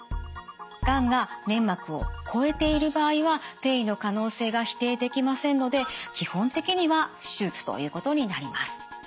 がんが粘膜を越えている場合は転移の可能性が否定できませんので基本的には手術ということになります。